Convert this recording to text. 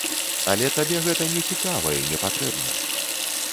Але табе гэта нецікава і непатрэбна.